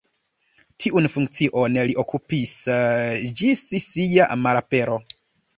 Tiun funkcion li okupis ĝis sia malapero.